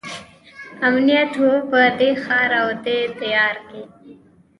امنیت وو په دې ښار او دې دیار کې.